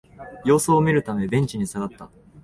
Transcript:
様子を見るためベンチに下がった